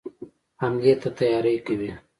حملې ته تیاری کوي.